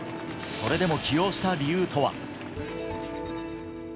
それでも起用した理由とは。